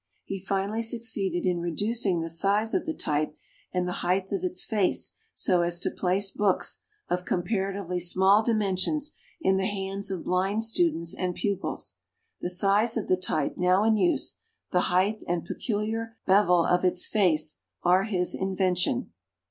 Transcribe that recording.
He finally succeeded in reducing the size of the type and the height of its face so as to place books, of comparatively small dimensions, in the hands of blind students and pupils. The size of the type now in use, the height, and peculiar bevel of its face, are his invention.